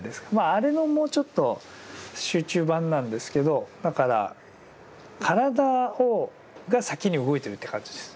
あれのもうちょっと集中版なんですけどだから体が先に動いてるって感じです。